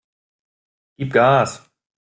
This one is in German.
Gib Gas!